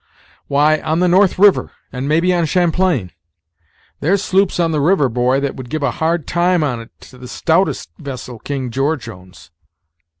why, on the North River, and maybe on Champlain. There's sloops on the river, boy, that would give a hard time on't to the stoutest vessel King George owns.